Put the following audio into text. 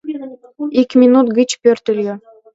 Ик минут гыч пӧртыльӧ.